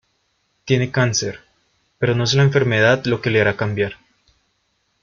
Tiene cáncer, pero no es la enfermedad lo que le hará cambiar.